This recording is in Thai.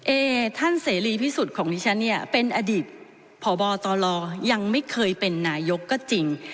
เอท่านเสรีพิสุทธิ์ของดิฉันเนี่ยเป็นอดีตพบตลยังไม่เคยเป็นนายกก็จริง